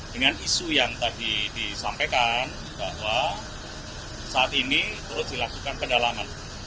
dengan isu yang tadi disampaikan bahwa saat ini terus dilakukan pendalaman